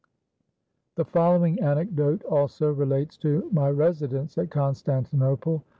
"The following anecdote also relates to my residence at Constantinople.